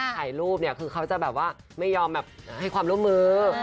ถ่ายรูปเนี่ยคือเขาจะแบบว่าไม่ยอมแบบให้ความร่วมมือ